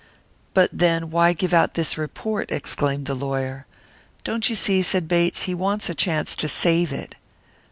"But then, why give out this report?" exclaimed the lawyer. "Don't you see?" said Bates. "He wants a chance to save it."